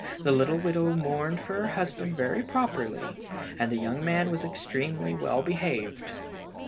The little widow mourned for her husband very properly, and the young man was extremely well behaved.